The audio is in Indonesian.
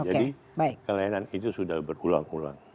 jadi kelainan itu sudah berulang ulang